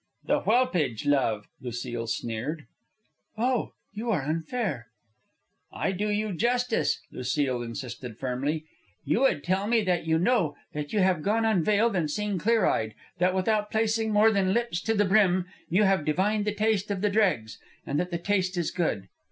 "The whelpage love," Lucile sneered. "Oh! You are unfair." "I do you justice," Lucile insisted firmly. "You would tell me that you know; that you have gone unveiled and seen clear eyed; that without placing more than lips to the brim you have divined the taste of the dregs, and that the taste is good.